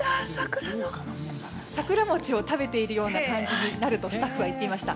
桜餅を食べている感じになるとスタッフは言っていました。